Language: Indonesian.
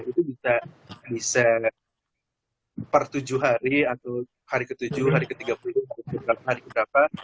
itu bisa per tujuh hari atau hari ke tujuh hari ke tiga puluh atau hari keberapa